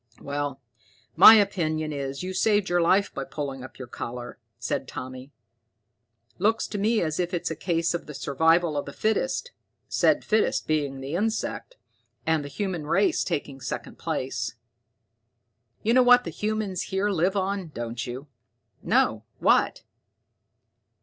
"Well, my opinion is you saved your life by pulling up your collar," said Tommy. "Looks to me as if it's a case of the survival of the fittest, said fittest being the insect, and the human race taking second place. You know what the humans here live on, don't you?" "No, what?"